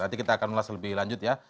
nanti kita akan ulas lebih lanjut ya